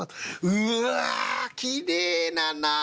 「うわきれいななあ！